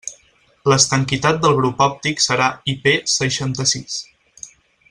L'estanquitat del grup òptic serà IP seixanta-sis.